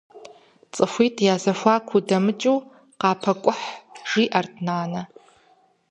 Цӏыхуитӏ язэхуаку удэмыкӏыу, къапэкӏухь, жиӏэрт нанэ.